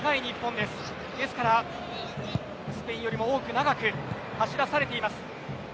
ですからスペインよりも多く長く走らされています。